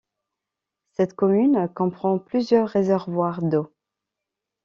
Cette commune comprend plusieurs réservoirs d'eau.